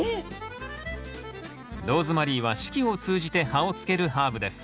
ローズマリーは四季を通じて葉をつけるハーブです。